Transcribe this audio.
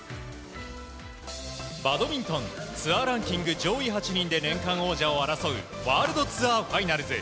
バドミントンツアーランキング上位８人で年間王者を争うワールドツアーファイナルズ。